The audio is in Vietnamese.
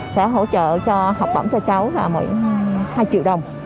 sẽ hỗ trợ cho học bẩm cho cháu là hai triệu đồng